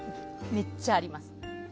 めっちゃあります。